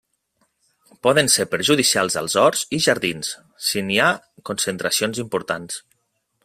Poden ser perjudicials als horts i jardins si n'hi ha concentracions importants.